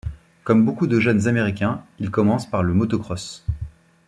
Comme beaucoup de jeunes Américains, il commence par le motocross.